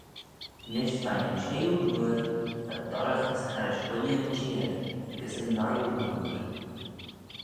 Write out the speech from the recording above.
Nish veih'n çheyoo oor, va dorraghys harrish ooilley'n çheer, gys yn nuyoo oor.